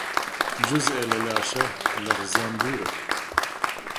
جوزئێ لە لاشە لە ڕزان دوورە